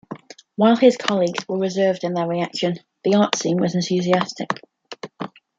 While his colleagues were reserved in their reaction, the art scene was enthusiastic.